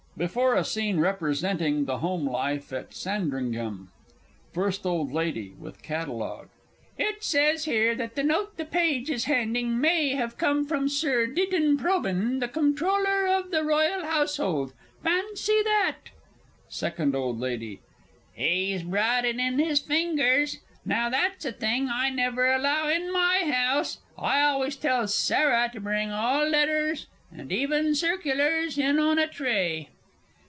Before a Scene representing "The Home Life at Sandringham." FIRST OLD LADY (with Catalogue). It says here that "the note the page is handing may have come from Sir Dighton Probyn, the Comptroller of the Royal Household." Fancy that! SECOND OLD LADY. He's brought it in in his fingers. Now that's a thing I never allow in my house. I always tell Sarah to bring all letters, and even circulars, in on a tray!